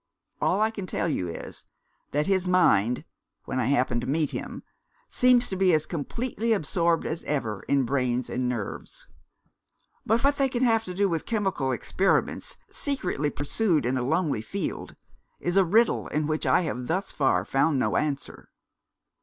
All I can tell you is, that his mind (when I happen to meet him) seems to be as completely absorbed as ever in brains and nerves. But, what they can have to do with chemical experiments, secretly pursued in a lonely field, is a riddle to which I have thus far found no answer.